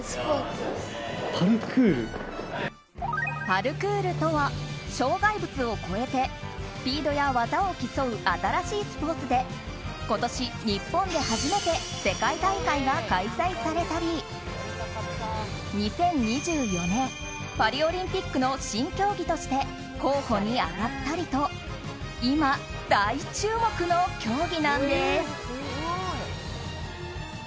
パルクールとは障害物を越えてスピードや技を競う新しいスポーツで今年日本で初めて世界大会が開催されたり２０２４年パリオリンピックの新競技として候補に上がったりと今、大注目の競技なんです。